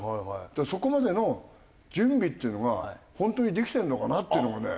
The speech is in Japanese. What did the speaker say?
そこまでの準備っていうのが本当にできてるのかな？っていうのがね